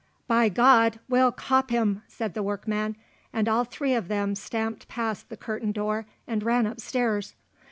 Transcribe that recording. "By God, we'll cop him!" said the workman, and all three of them stamped past the curtained door and ran up stairs.